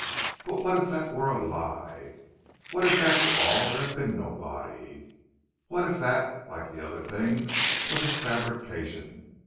But what if that were a lie, what if after all there had been no body, what if that, like the other things, was a fabrication?